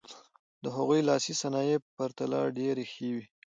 د هغوی لاسي صنایع په پرتله ډېرې ښې وې.